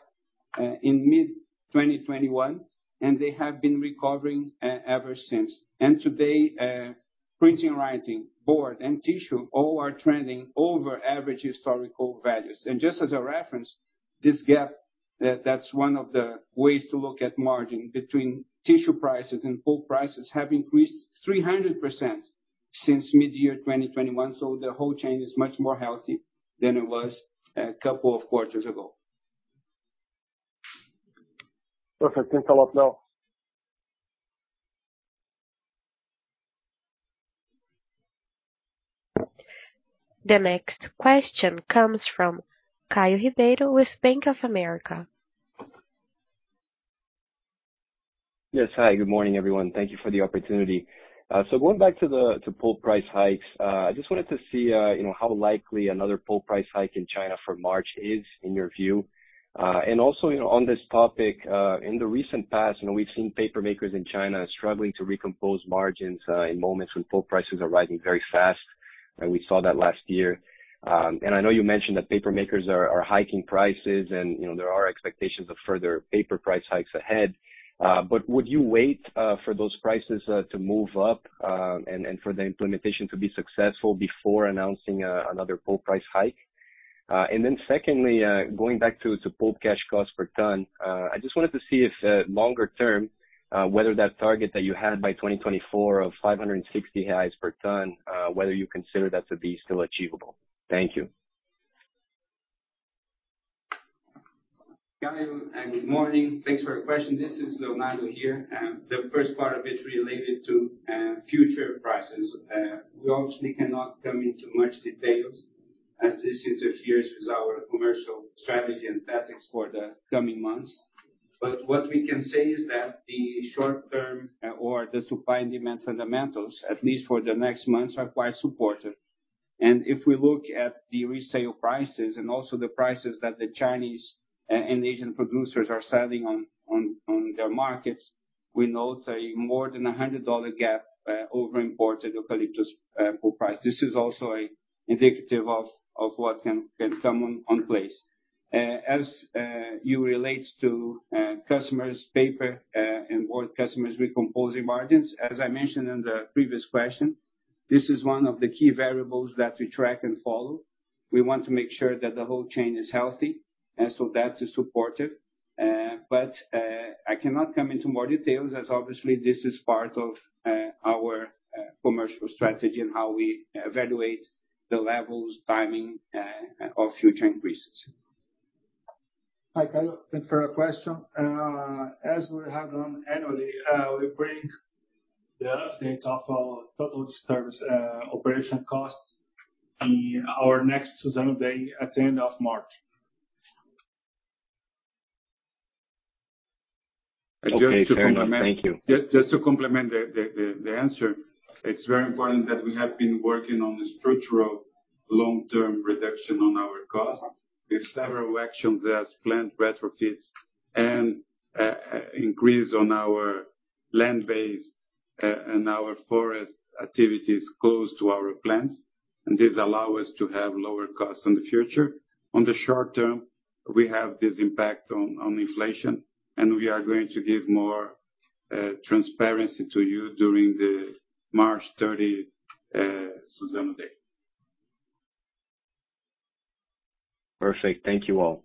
E: in mid-2021, and they have been recovering ever since. Today, printing, writing, board, and tissue all are trending over average historical values. Just as a reference, this gap, that's one of the ways to look at margin between tissue prices and pulp prices, has increased 300% since mid-2021. The whole chain is much more healthy than it was a couple of quarters ago.
M: Perfect. Thanks a lot, Leo.
A: The next question comes from Caio Ribeiro with Bank of America.
N: Yes. Hi, good morning, everyone. Thank you for the opportunity. Going back to pulp price hikes, I just wanted to see, you know, how likely another pulp price hike in China for March is, in your view. Also, you know, on this topic, in the recent past, you know, we've seen paper makers in China struggling to recompose margins, in moments when pulp prices are rising very fast. We saw that last year. I know you mentioned that paper makers are hiking prices and, you know, there are expectations of further paper price hikes ahead. Would you wait for those prices to move up, and for the implementation to be successful before announcing another pulp price hike? Secondly, going back to pulp cash costs per ton, I just wanted to see if, longer term, whether that target that you had by 2024 of 560 per ton, whether you consider that to be still achievable? Thank you.
E: Caio, good morning. Thanks for your question. This is Leonardo here. The first part of it related to future prices. We obviously cannot go into much detail as this interferes with our commercial strategy and tactics for the coming months. What we can say is that the short term or the supply and demand fundamentals, at least for the next months, are quite supportive. If we look at the resale prices and also the prices that the Chinese and Asian producers are selling on their markets, we note more than a $100 gap over imported eucalyptus pulp price. This is also an indicator of what can come into place. As you relate to customers' paper and board customers recomposing margins, as I mentioned in the previous question, this is one of the key variables that we track and follow. We want to make sure that the whole chain is healthy, so that is supportive. I cannot come into more details as obviously this is part of our commercial strategy and how we evaluate the levels, timing, of future increases.
F: Hi, Caio. Thanks for your question. As we have done annually, we bring the update of our total service operation costs in our next Suzano Day at the end of March.
N: Okay. Fair enough. Thank you.
B: Just to complement the answer, it's very important that we have been working on the structural long-term reduction on our costs with several actions as plant retrofits and increase on our land base and our forest activities close to our plants. This allow us to have lower costs in the future. On the short term, we have this impact on inflation, and we are going to give more transparency to you during the March 30 Suzano Day.
N: Perfect. Thank you all.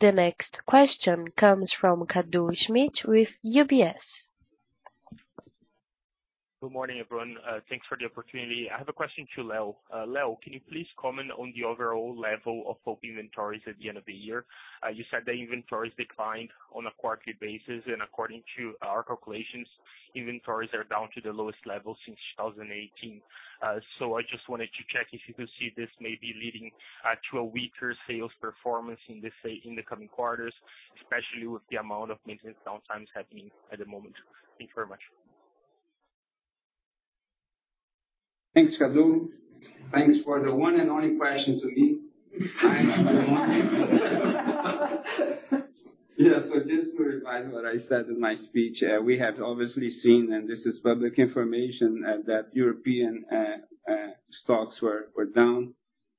A: The next question comes from Cadu Szpigel with UBS.
O: Good morning, everyone. Thanks for the opportunity. I have a question to Leo. Leo, can you please comment on the overall level of pulp inventories at the end of the year? You said that inventories declined on a quarterly basis, and according to our calculations, inventories are down to the lowest level since 2018. I just wanted to check if you could see this maybe leading to a weaker sales performance in the coming quarters, especially with the amount of maintenance downtimes happening at the moment. Thank you very much.
E: Thanks, Cadu. Thanks for the one and only question to me. Yes. Just to revise what I said in my speech, we have obviously seen, and this is public information, that European stocks were down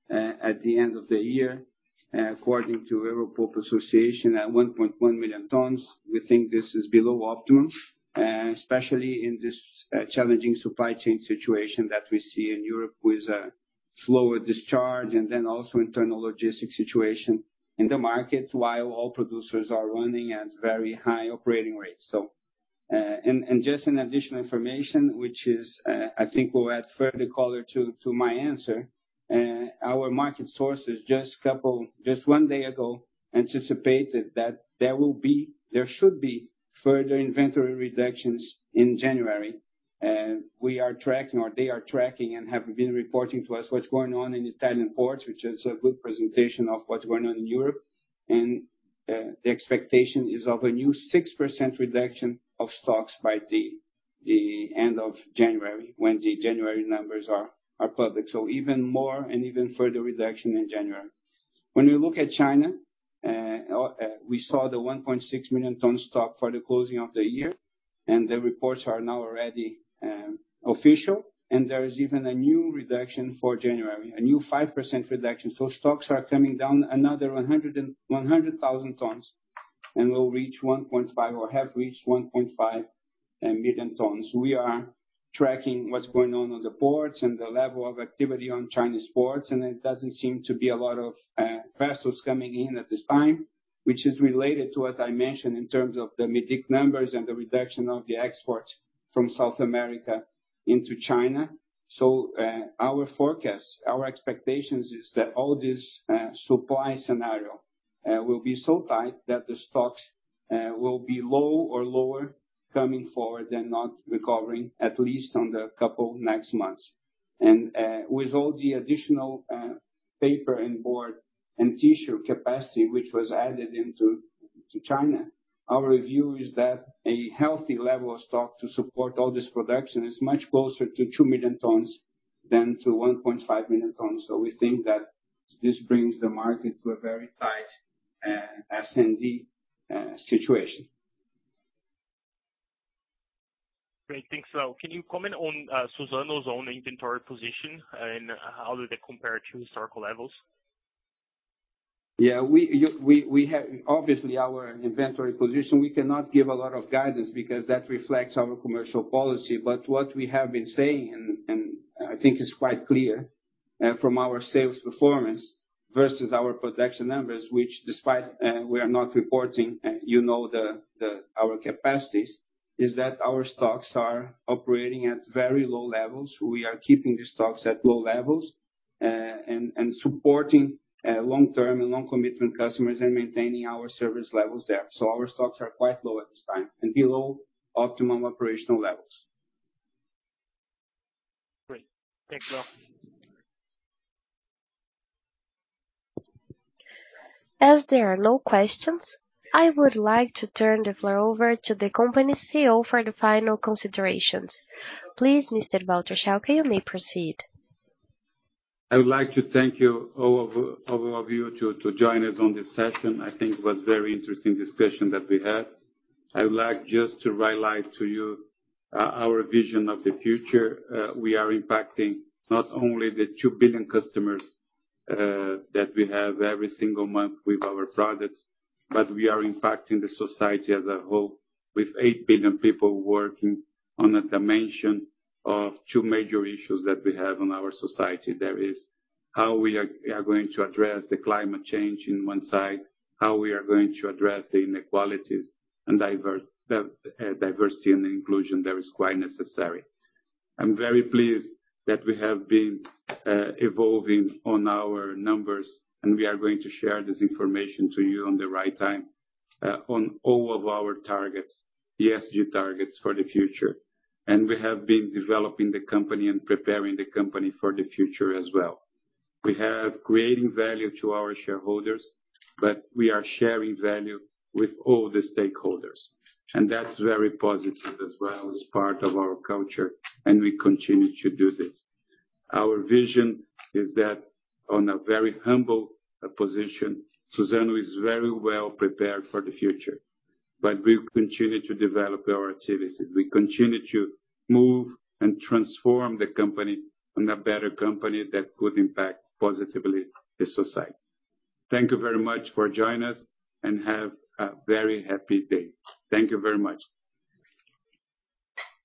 E: at the end of the year, according to Europulp, at 1.1 million tons. We think this is below optimum, especially in this challenging supply chain situation that we see in Europe with a slower discharge and then also internal logistics situation in the market while all producers are running at very high operating rates. Just an additional information, which is, I think, will add further color to my answer. Our market sources just one day ago anticipated that there should be further inventory reductions in January. We are tracking, or they are tracking and have been reporting to us what's going on in Italian ports, which is a good presentation of what's going on in Europe. The expectation is of a new 6% reduction of stocks by the end of January when the January numbers are public. Even more and even further reduction in January. When we look at China, we saw the 1.6 million ton stock for the closing of the year, and the reports are now already official. There is even a new reduction for January, a new 5% reduction. Stocks are coming down another 100,000 tons and will reach 1.5 or have reached 1.5 million tons. We are tracking what's going on on the ports and the level of activity on Chinese ports, and it doesn't seem to be a lot of vessels coming in at this time, which is related to what I mentioned in terms of the MDIC numbers and the reduction of the exports from South America into China. Our forecast, our expectations is that all this supply scenario will be so tight that the stocks will be low or lower coming forward and not recovering at least in the next couple of months. With all the additional paper and board and tissue capacity which was added to China, our review is that a healthy level of stock to support all this production is much closer to two million tons than to 1.5 million tons. We think that this brings the market to a very tight S&D situation.
O: Great. Thanks, Leo. Can you comment on Suzano's own inventory position and how do they compare to historical levels?
E: Obviously, our inventory position, we cannot give a lot of guidance because that reflects our commercial policy. What we have been saying and I think is quite clear from our sales performance versus our production numbers, which despite we are not reporting you know our capacities, is that our stocks are operating at very low levels. We are keeping the stocks at low levels and supporting long-term and long commitment customers and maintaining our service levels there. Our stocks are quite low at this time and below optimum operational levels.
P: Great. Thanks, Leo.
A: As there are no questions, I would like to turn the floor over to the company CEO for the final considerations. Please, Mr. Walter Schalka, you may proceed.
B: I would like to thank all of you to join us on this session. I think it was very interesting discussion that we had. I would like just to highlight to you our vision of the future. We are impacting not only the two billion customers that we have every single month with our products, but we are impacting the society as a whole. With eight billion people working on a dimension of two major issues that we have on our society. That is how we are going to address the climate change on one side, how we are going to address the inequalities and diversity and inclusion that is quite necessary. I'm very pleased that we have been evolving on our numbers, and we are going to share this information to you on the right time on all of our targets, ESG targets for the future. We have been developing the company and preparing the company for the future as well. We have creating value to our shareholders, but we are sharing value with all the stakeholders, and that's very positive as well as part of our culture, and we continue to do this. Our vision is that on a very humble position, Suzano is very well prepared for the future. We continue to develop our activities. We continue to move and transform the company on a better company that could impact positively the society. Thank you very much for join us, and have a very happy day. Thank you very much.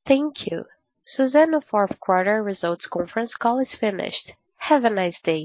A: Thank you. Suzano fourth quarter results conference call is finished. Have a nice day.